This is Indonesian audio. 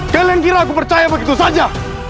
kalian kira aku percaya begitu saja